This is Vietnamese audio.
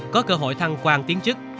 có cơ hội thăng quan tiến chức